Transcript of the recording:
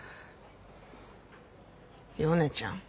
ヨネちゃん。